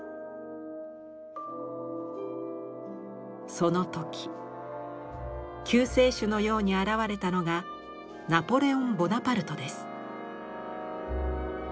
その時救世主のように現れたのがナポレオン・ボナパルトです。